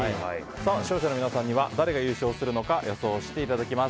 視聴者の皆さんには誰が優勝するのか予想していただきます。